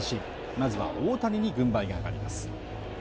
まずは大谷に軍配が上がります。